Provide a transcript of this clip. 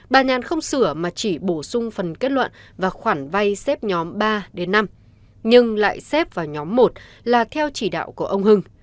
bà nhàn thừa nhận kết luận và khoản vay xếp nhóm ba đến năm nhưng lại xếp vào nhóm một là theo chỉ đạo của ông hưng